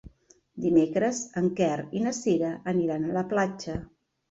Dimecres en Quer i na Cira aniran a la platja.